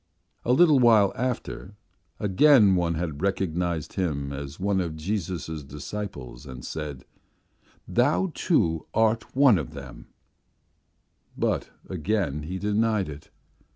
A little while after again someone recognized him as one of Jesus' disciples and said: 'Thou, too, art one of them,' but again he denied it.